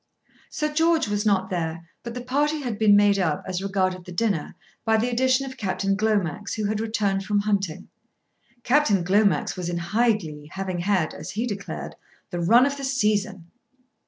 Sir George was not there, but the party had been made up, as regarded the dinner, by the addition of Captain Glomax, who had returned from hunting. Captain Glomax was in high glee, having had, as he declared, the run of the season.